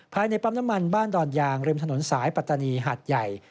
ภายในปั๊มน้ำมันบ้านดอนยางริมถนนสายปัตตานีหาดใหญ่